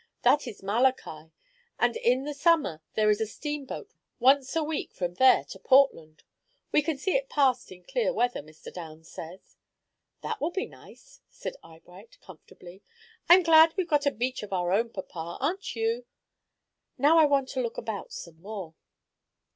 That is Malachi, and in the summer there is a steamboat once a week from there to Portland. We can see it pass in clear weather, Mr. Downs says." "That will be nice," said Eyebright, comfortably. "I'm glad we've got a beach of our own, papa; aren't you? Now I want to look about some more."